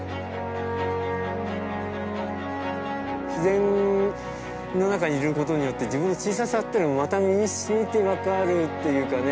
自然の中にいることによって自分の小ささっていうのがまた身にしみて分かるっていうかね。